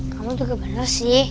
kamu tuh kebener sih